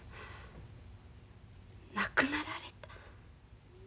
亡くなられた？